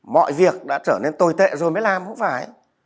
mọi việc đã trở nên tồi tệ rồi mới làm không phải